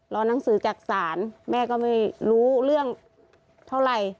หนังสือจากศาลแม่ก็ไม่รู้เรื่องเท่าไหร่